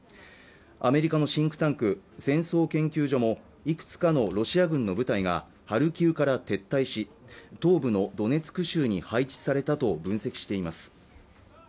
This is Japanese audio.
アメリカのシンクタンク戦争研究所もいくつかのロシア軍の部隊がハルキウから撤退し東部のドネツク州に配置されたと分析しています